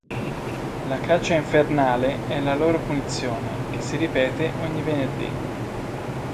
La caccia infernale è la loro punizione, che si ripete ogni venerdì.